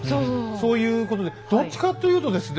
そういうことでどっちかというとですね